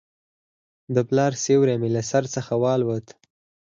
د پلار سیوری مې له سر څخه والوت.